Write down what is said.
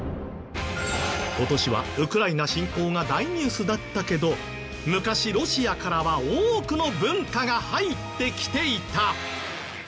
今年はウクライナ侵攻が大ニュースだったけど昔ロシアからは多くの文化が入ってきていた。